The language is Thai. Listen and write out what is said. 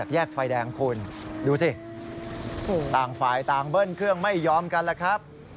แยกไฟแดงคุณดูสิต่างฝ่ายต่างเบิ้ลเครื่องไม่ยอมกันล่ะครับ